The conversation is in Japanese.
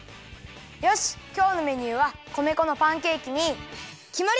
よしきょうのメニューは米粉のパンケーキにきまり！